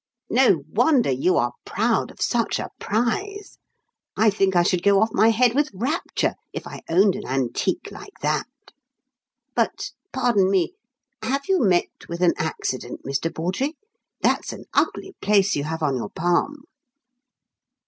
"No wonder you are proud of such a prize. I think I should go off my head with rapture if I owned an antique like that. But, pardon me, have you met with an accident, Mr. Bawdrey? That's an ugly place you have on your palm."